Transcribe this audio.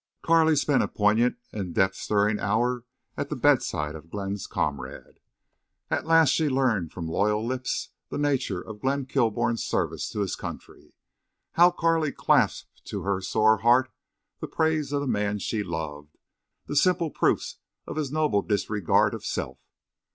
Carley spent a poignant and depth stirring hour at the bedside of Glenn's comrade. At last she learned from loyal lips the nature of Glenn Kilbourne's service to his country. How Carley clasped to her sore heart the praise of the man she loved—the simple proofs of his noble disregard of self!